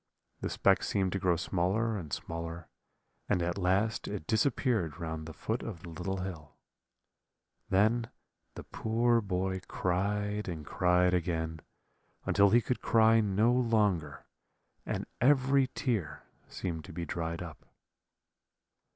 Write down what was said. The speck seemed to grow smaller and smaller, and at last it disappeared round the foot of the little hill. Then the poor boy cried and cried again, until he could cry no longer, and every tear seemed to be dried up.